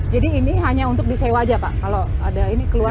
jadi ini hanya untuk disewa aja pak kalau ada ini keluar